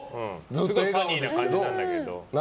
ずっとファニーな感じだけど。